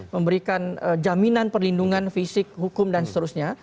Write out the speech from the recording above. memberikan jaminan perlindungan fisik hukum dan seterusnya